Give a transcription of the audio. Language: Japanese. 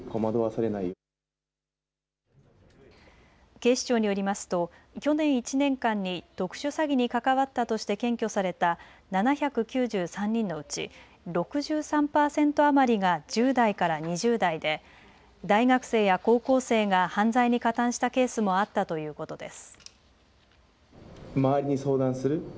警視庁によりますと去年１年間に特殊詐欺に関わったとして検挙された７９３人のうち６３％余りが１０代から２０代で大学生や高校生が犯罪に加担したケースもあったということです。